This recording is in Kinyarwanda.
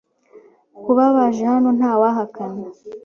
Kuba baje hano ntawahakana.